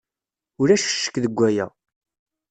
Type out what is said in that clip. Ulac ccek deg waya.